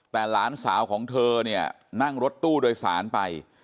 แต่หลานสาวของเธอเนี่ยนั่งรถตู้โดยสารไป